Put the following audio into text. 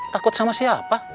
takut sama siapa